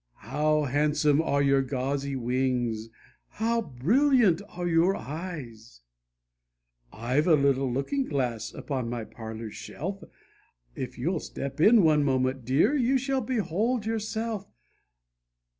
How handsome are your gauzy wings, how brilliant are your eyes ! I have a little looking glass upon my parlour shelf, If you'll step in one moment, dear, you shall behold your self."